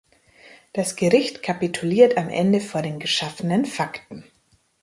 Das Gericht kapituliert am Ende vor den geschaffenen Fakten.